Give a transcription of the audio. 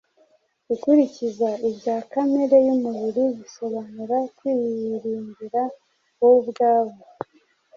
Gukurikiza ibya kamere y’umubiri bisobanura kwiyiringira wowe ubwawe,